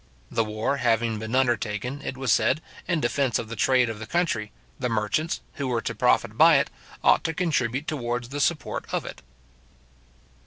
The war having been undertaken, it was said, in defence of the trade of the country, the merchants, who were to profit by it, ought to contribute towards the support of it.